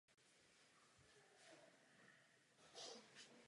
Obě budovy mají společné přízemí a dvě podzemní podlaží.